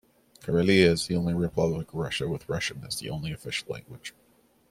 Karelia is the only republic of Russia with Russian as the only official language.